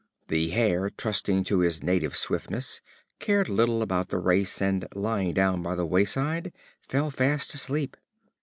The Hare, trusting to his native swiftness, cared little about the race, and lying down by the wayside, fell fast asleep.